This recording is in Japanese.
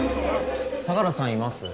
相良さんいます？